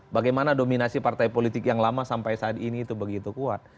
bagaimana dominasi partai politik yang lama sampai saat ini itu begitu kuat